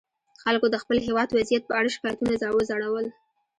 خلکو د خپل هېواد وضعیت په اړه شکایتونه وځړول.